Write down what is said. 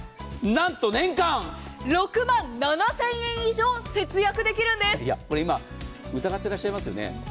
６万７０００円以上今、疑ってらっしゃいますよね。